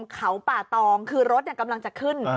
เขาป่าตองคือรถกำลังจะขึ้น